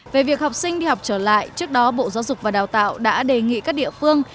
về việc học sinh đi học trở lại trước đó bộ giáo dục và đào tạo đã đề nghị các địa phương